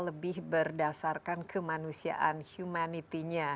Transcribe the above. lebih berdasarkan kemanusiaan humanity nya